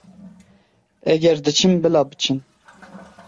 Eger diçin bila biçin.